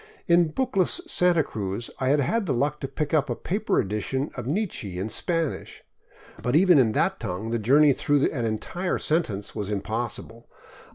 In bookless Santa Cruz I had had the luck to pick up a paper edition of Nietzsche in Spanish, but even in that tongue the journey through an entire sentence was impossible.